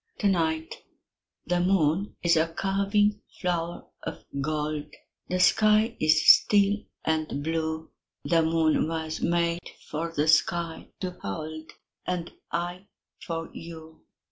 To night The moon is a curving flower of gold, The sky is still and blue; The moon was made for the sky to hold, And I for you.